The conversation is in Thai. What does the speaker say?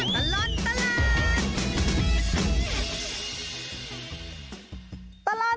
ชั่วตลอดตลาด